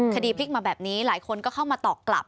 คดีพลิกมาแบบนี้หลายคนก็เข้ามาตอบกลับ